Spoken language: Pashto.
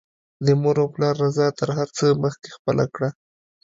د مور او پلار رضاء تر هر څه مخکې خپله کړه